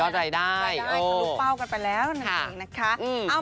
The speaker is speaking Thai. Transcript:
ยอดใดได้ก็ลุกเป้ากันไปแล้วนะคะ